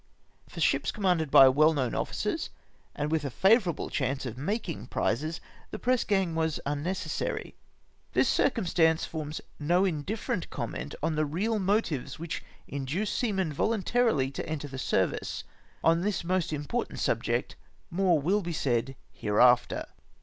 For ships commanded by well kno^vn officers, and with a favour able chance of making prizes, the press gang was un necessary. This circumstance forms no indifferent VOYAGE TO NORWAY. 55 comment on the real motives wliicli induce seamen voluntarily to enter the service. On this most impor tant subject more will be said hereafter.